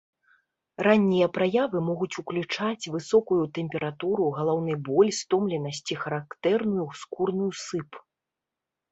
Раннія праявы могуць ўключаць высокую тэмпературу, галаўны боль, стомленасць і характэрную скурную сып.